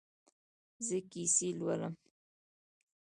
زه کیسې لولم